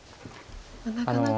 なかなか。